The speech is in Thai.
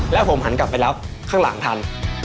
แล้วผมหันกลับไปแล้วข้างหลังทัน